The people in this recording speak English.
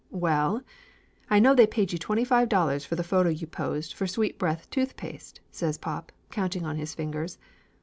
"Well, I know they paid you twenty five dollars for the photo you posed for Sweet breath Tooth Paste," says pop, counting on his fingers.